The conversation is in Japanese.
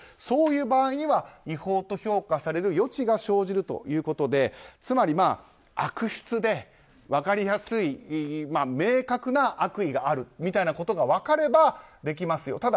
そういう場合には違法と評価される余地が生じるということでつまり、悪質で分かりやすい明確な悪意があるということが分かればできますよ